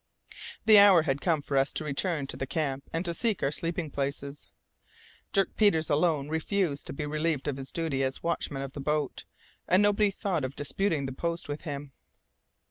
The hour had come for us to return to the camp and to seek our sleeping places. Dirk Peters alone refused to be relieved of his duty as watchman of the boat, and nobody thought of disputing the post with him.